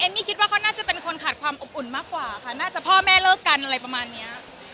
มี่คิดว่าเขาน่าจะเป็นคนขาดความอบอุ่นมากกว่าค่ะน่าจะพ่อแม่เลิกกันอะไรประมาณเนี้ย